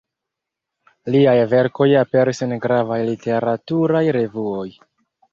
Liaj verkoj aperis en gravaj literaturaj revuoj.